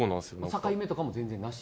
境目とかも全然なし？